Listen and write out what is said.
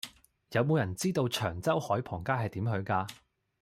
有無人知道長洲海傍街係點去㗎